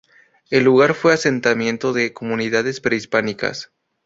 El lugar fue asentamiento de comunidades prehispánicas.